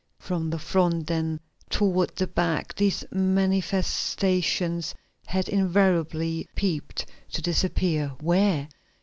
From the front then toward the back these manifestations had invariably peeped to disappear where?